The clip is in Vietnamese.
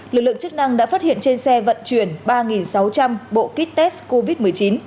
lực lượng chức năng đã phát hiện trên xe vận chuyển ba sáu trăm linh bộ kit test covid một mươi chín